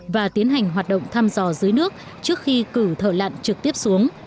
và tiến hành hoạt động thăm dò dưới nước trước khi cử thợ lặn trực tiếp xuống